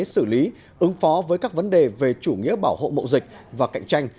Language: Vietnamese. xử lý ứng phó với các vấn đề về chủ nghĩa bảo hộ mậu dịch và cạnh tranh